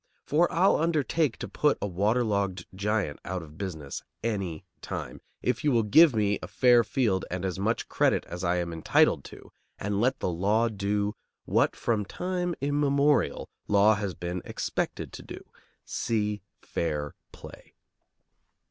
For I'll undertake to put a water logged giant out of business any time, if you will give me a fair field and as much credit as I am entitled to, and let the law do what from time immemorial law has been expected to do, see fair play.